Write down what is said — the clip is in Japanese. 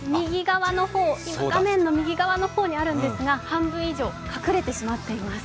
画面の右側の方にあるんですが、半分以上隠れてしまっています。